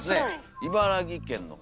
茨城県の方。